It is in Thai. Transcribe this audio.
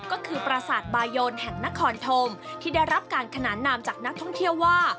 ก็คือประสาทบายนแห่งนครธมที่ได้รับการขนานนามจากนักท่องเที่ยวว่า